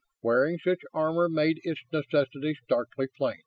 Wearing such armor made its necessity starkly plain.